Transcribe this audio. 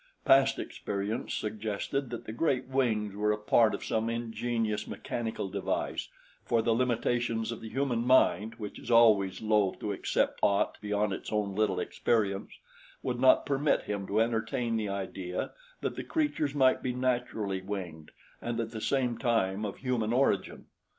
Past experience suggested that the great wings were a part of some ingenious mechanical device, for the limitations of the human mind, which is always loath to accept aught beyond its own little experience, would not permit him to entertain the idea that the creatures might be naturally winged and at the same time of human origin.